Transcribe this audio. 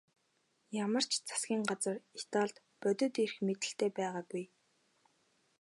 Ямар ч засгийн газар Италид бодит эрх мэдэлтэй байгаагүй.